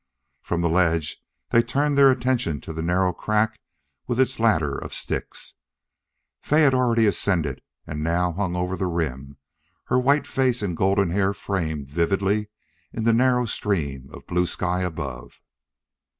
From the ledge they turned their attention to the narrow crack with its ladder of sticks. Fay had already ascended and now hung over the rim, her white face and golden hair framed vividly in the narrow stream of blue sky above.